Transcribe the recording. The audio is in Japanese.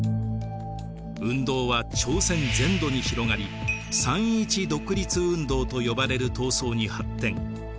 運動は朝鮮全土に広がり三・一独立運動と呼ばれる闘争に発展。